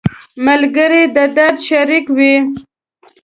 ملګری د درد شریک وي